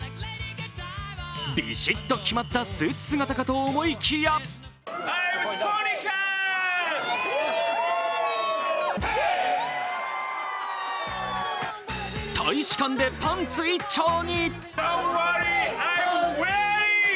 ビシッと決まったスーツ姿かと思いきや大使館でパンツ一丁に。